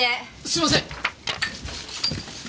すみません！